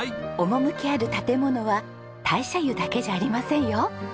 趣ある建物は大社湯だけじゃありませんよ。